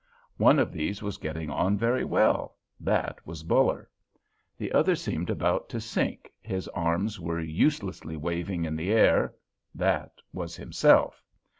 One of these was getting on very well—that was Buller. The other seemed about to sink, his arms were uselessly waving in the air—that was himself.